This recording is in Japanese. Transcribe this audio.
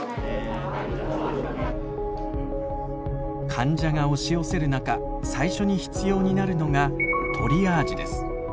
患者が押し寄せる中最初に必要になるのがトリアージです。